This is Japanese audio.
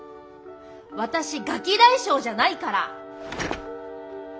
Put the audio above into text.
私ガキ大将じゃないから。